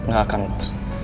gak akan bos